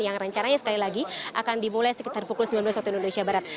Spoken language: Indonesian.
yang rencananya sekali lagi akan dimulai sekitar pukul dua puluh satu indonesia barat